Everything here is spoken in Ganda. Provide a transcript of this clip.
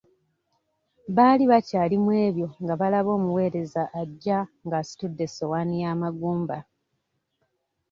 Baali bakyali mu ebyo nga balaba omuweereza ajja ng'asitudde essowaani y'amagumba.